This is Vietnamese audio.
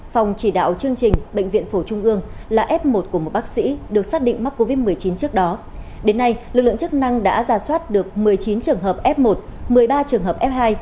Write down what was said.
phòng chỉ đạo chương trình bệnh viện phổ trung ương là f một của một bác sĩ được xác định mắc covid một mươi chín trước đó đến nay lực lượng chức năng đã giả soát được một mươi chín trường hợp f một một mươi ba trường hợp f hai